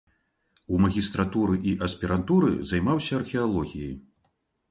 У магістратуры і аспірантуры займаўся археалогіяй.